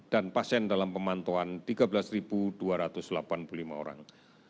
dan pasien dalam pemantauan tiga belas dua ratus delapan puluh lima orang